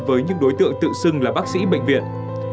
với những đối tượng tự xưng là bác sĩ bệnh viện